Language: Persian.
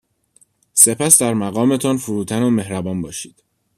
سپس در مقامتان فروتن و مهربان باشید.